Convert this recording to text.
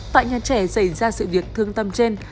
tại nhà trẻ xảy ra sự việc thương tâm trên